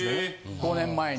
５年前に。